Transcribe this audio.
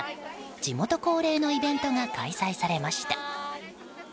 地元恒例のイベントが開催されました。